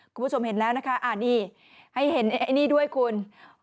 คุณผู้ชมเห็นแล้วนะคะนี่ให้เห็นไอ้นี่ด้วยคุณ